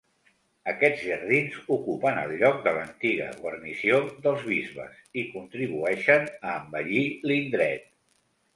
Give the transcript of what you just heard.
Aquests jardins ocupen el lloc de l'antiga guarnició dels bisbes i contribueixen a embellir l'indret.